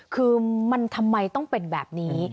คือมันทำไมต้องเป็นแบบนี้